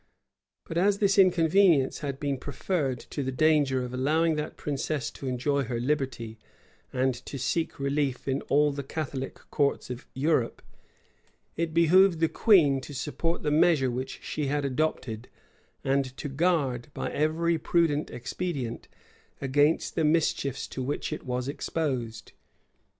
But as this inconvenience had been preferred to the danger of allowing that princess to enjoy her liberty, and to seek relief in all the Catholic courts of Europe, it behoved the queen to support the measure which she had adopted, and to guard, by every prudent expedient, against the mischiefs to which it was exposed.